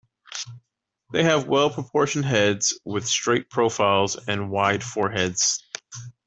They have well-proportioned heads, with straight profiles and wide foreheads.